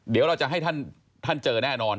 เดี๋ยวเราจะให้ท่านเจอแน่นอน